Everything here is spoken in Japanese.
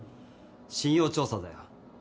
信用調査だよ。